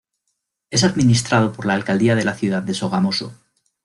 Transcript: Es administrado por la alcaldía de la ciudad de Sogamoso.